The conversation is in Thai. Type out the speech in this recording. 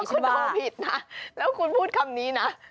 กูโทรผิดนะแล้วคุณพูดคำนี้น่ะ